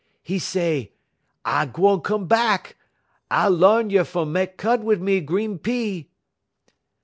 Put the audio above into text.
'E say: "'I gwan come bahk. I l'arn you fer mek cud wit' me green pea.'